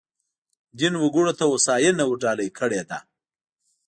دین وګړو ته هوساینه ورډالۍ کړې ده.